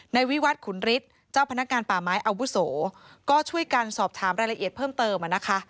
วิวัตรขุนฤทธิ์เจ้าพนักงานป่าไม้อาวุโสก็ช่วยกันสอบถามรายละเอียดเพิ่มเติมอ่ะนะคะ